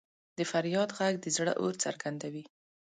د فریاد ږغ د زړه اور څرګندوي.